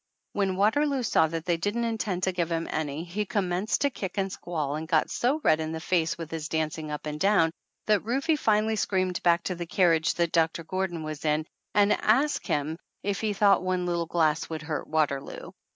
When Waterloo saw that they didn't intend to give him any he com menced to kick and squall and get so red in the face with his dancing up and down that Rufe finally screamed back to the carriage that Doc tor Gordon was in and asked him if he thought one little glass would hurt Waterloo.